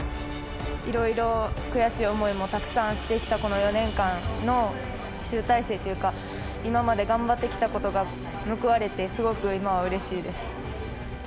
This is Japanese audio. いろいろ悔しい思いもたくさんしてきたこの４年間の集大成というか、今まで頑張ってきたことが報われてすごく今はうれしいです。